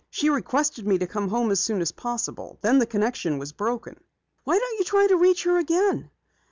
She requested me to come home as soon as possible. Then the connection was broken." "Why don't you try to reach her again?"